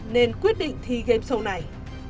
nên quyết định thi game show này